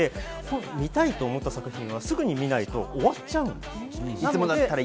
見たいと思った作品はすぐに見ないと終わっちゃいます。